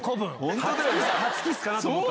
初キスかと思った。